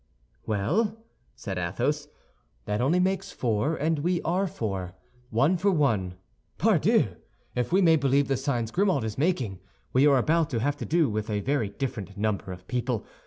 "Well," said Athos, "that only makes four; and we are four—one for one. Pardieu! if we may believe the signs Grimaud is making, we are about to have to do with a very different number of people.